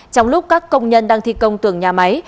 trong lúc các công nhân đang thi công tường nhà máy